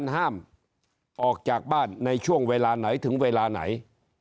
ห้ามออกจากบ้านในช่วงเวลาไหนถึงเวลาไหน